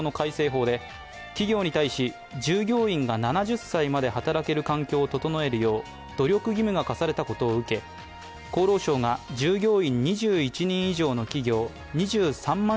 法で企業に対し、従業員が７０歳まで働ける環境を整えるよう努力義務が課されたことを受け厚労省が従業員２１人以上の企業２３万